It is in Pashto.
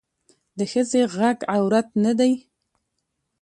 د ښخي غږ عورت نه دی